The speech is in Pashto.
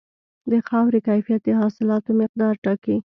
د خاورې کیفیت د حاصلاتو مقدار ټاکي.